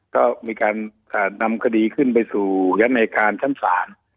ก็มีการนำคดีขึ้นไปสู่ชั้นในการชั้นศาล